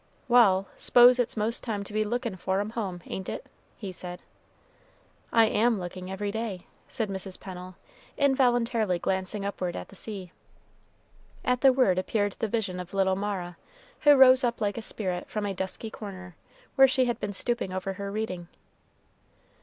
"Wal', s'pose it's most time to be lookin' for 'em home, ain't it?" he said. "I am lookin' every day," said Mrs. Pennel, involuntarily glancing upward at the sea. At the word appeared the vision of little Mara, who rose up like a spirit from a dusky corner, where she had been stooping over her reading.